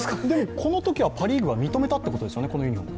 このときはパ・リーグは認めたということですよね。